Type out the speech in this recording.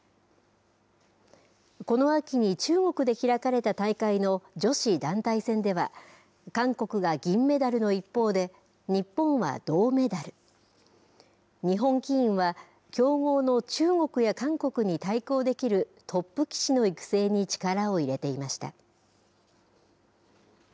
この秋に中国で開かれた大会の女子団体戦では、韓国が銀メダルの一方で、日本は銅メダル。日本棋院は、強豪の中国や韓国に対抗できる、トップ棋士の育成に力を入れていました。